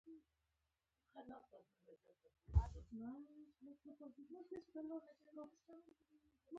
د ښاري کېدو بهیر معکوس او حتی نفوس نزولي حرکت خپل کړ.